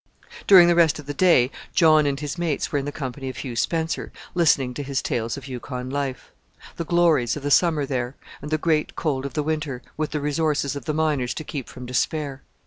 Squaw. During the rest of the day John and his mates were in the company of Hugh Spencer, listening to his tales of Yukon life: the glories of the summer there, and the great cold of the winter, with the resources of the miners to keep from despair.